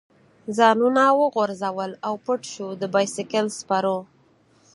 ځانونه وغورځول او پټ شو، د بایسکل سپرو.